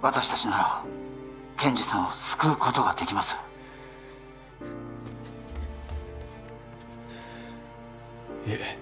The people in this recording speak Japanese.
私達なら健二さんを救うことができますいえ